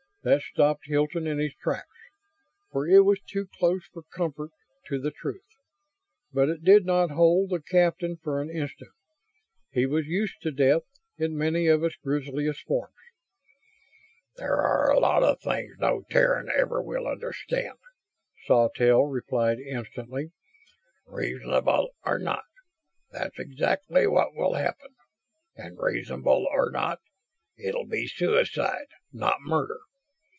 That stopped Hilton in his tracks, for it was too close for comfort to the truth. But it did not hold the captain for an instant. He was used to death, in many of its grisliest forms. "There are a lot of things no Terran ever will understand," Sawtelle replied instantly. "Reasonable, or not, that's exactly what will happen. And, reasonable or not, it'll be suicide, not murder.